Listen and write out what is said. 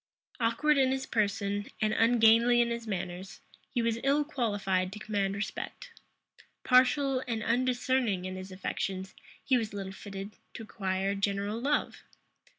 Awkward in his person, and ungainly in his manners, he was ill qualified to command respect; partial and undiscerning in his affections, he was little fitted to acquire general love.